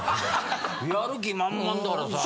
やる気満々だからさぁ。